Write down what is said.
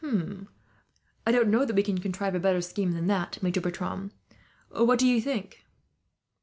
"I don't know that we can contrive a better scheme than that, Maitre Bertram. What do you think?"